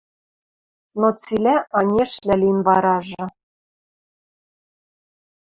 Но цилӓ анешлӓ лин варажы.